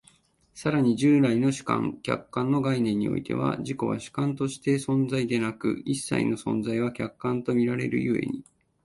更に従来の主観・客観の概念においては、自己は主観として存在でなく、一切の存在は客観と見られる故に、